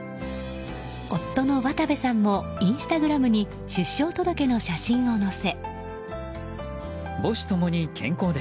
夫の渡部さんもインスタグラムに出生届の写真を載せ。